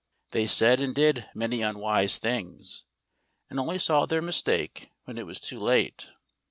They said and did many unwise things, and only saw their mistake when it was too late.